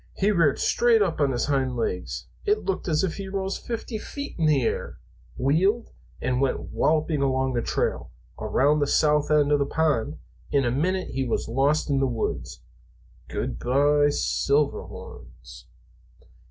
"He reared straight up on his hind legs it looked as if he rose fifty feet in the air wheeled, and went walloping along the trail, around the south end of the pond. In a minute he was lost in the woods. Good by, Silverhorns!"